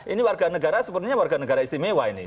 ini warga negara sepertinya warga negara istimewa ini